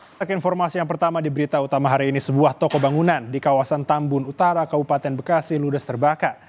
kita ke informasi yang pertama di berita utama hari ini sebuah toko bangunan di kawasan tambun utara kabupaten bekasi ludes terbakar